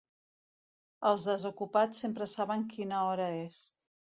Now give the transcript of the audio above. Els desocupats sempre saben quina hora és.